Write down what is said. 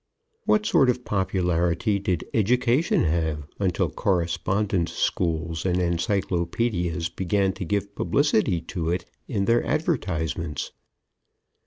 What sort of popularity did Education have until correspondence schools and encyclopedias began to give publicity to it in their advertisements?